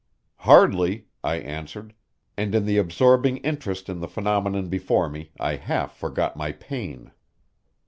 "Hardly," I answered; and in my absorbing interest in the phenomenon before me I half forgot my pain.